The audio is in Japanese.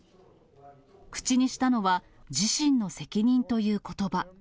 口にしたのは、自身の責任ということば。